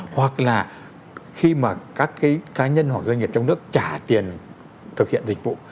hoặc là khi mà các cái cá nhân hoặc doanh nghiệp trong nước trả tiền thực hiện dịch vụ